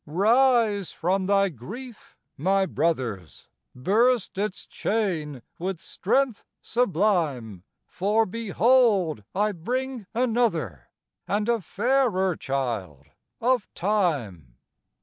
Rise from thy grief, my brothers! Burst its chain with strength sublime, For behold! I bring another, And a fairer child of time.